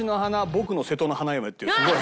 僕の『瀬戸の花嫁』っていうすごい。